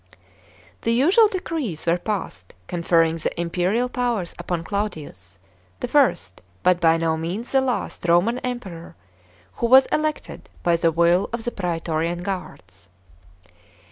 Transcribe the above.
The usual decrees were passed conferring the imperial powers upon Claudius, the first, but by no means the last, Roman Emperor who was elected by the will of the praetorian guards.